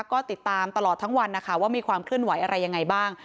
ก็ติดตามตลอดทั้งวันนะคะว่ามีความเคลื่อนไหวอะไรยังไงบ้าง